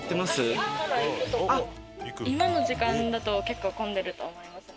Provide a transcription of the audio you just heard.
今の時間だと結構混んでると思いますね。